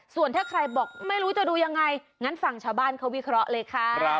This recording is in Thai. ส่วนถ้าใครบอกไม่รู้จะดูยังไงงั้นฟังชาวบ้านเขาวิเคราะห์เลยค่ะ